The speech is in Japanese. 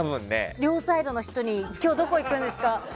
両サイドの人に今日どこ行くんですか？